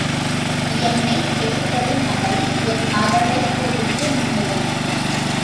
என்னைக் கெடுத்தது நரை, என் மகளைக் கொடுத்து முலை.